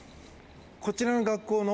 こちらの学校の？